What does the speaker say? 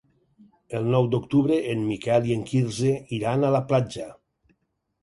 El nou d'octubre en Miquel i en Quirze iran a la platja.